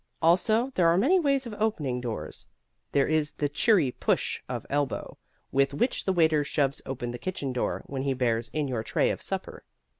Also, there are many ways of opening doors. There is the cheery push of elbow with which the waiter shoves open the kitchen door when he bears in your tray of supper.